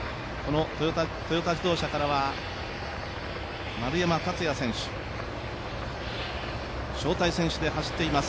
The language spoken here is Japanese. トヨタ自動車からは丸山竜也選手招待選手で走っています。